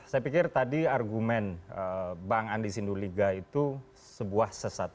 saya pikir tadi argumen bang andi sinduliga itu sebuah sesat